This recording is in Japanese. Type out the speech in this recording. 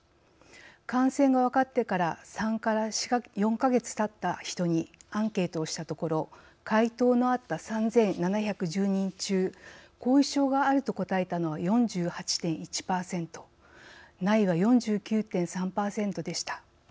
感染が分かってから３から４か月たった人にアンケートをしたところ回答のあった３，７１０人中後遺症があると答えたのは４８．１％ないは４９．３％でした。